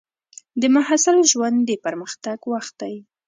د محصل ژوند د پرمختګ وخت دی.